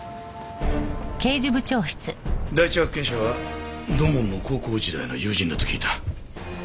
第一発見者は土門の高校時代の友人だと聞いた。